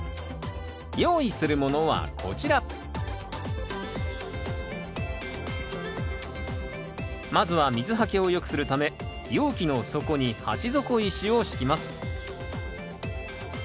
用意するものはこちらまずは水はけをよくするため容器の底に鉢底石を敷きます。